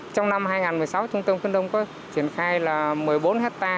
trong năm hai nghìn một mươi sáu trung tâm khuyến nông có triển khai một mươi bốn hectare